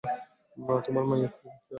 তোমার মায়ের খেয়াল রেখো।